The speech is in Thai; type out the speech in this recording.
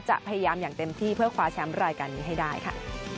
จะพยายามอย่างเต็มที่เพื่อคว้าแชมป์รายการนี้ให้ได้ค่ะ